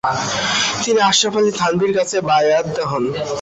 তিনি আশরাফ আলী থানভীর কাছে বায়আত হন।